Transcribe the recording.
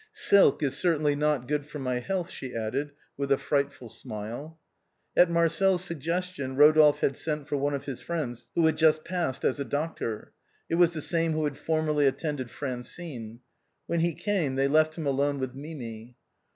Silk is certaintly not good for my health," she added with a frightful smile. At Marcel's suggestion, Rodolphe had sent for one of his friends who had just passed as a doctor. It was the same who had formerly attended Francine. When he came they left him alone with Mirai.